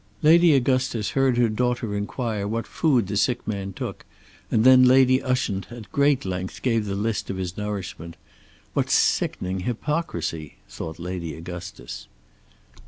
Lady Augustus heard her daughter inquire what food the sick man took, and then Lady Ushant at great length gave the list of his nourishment. What sickening hypocrisy! thought Lady Augustus.